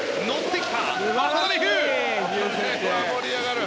これは盛り上がる！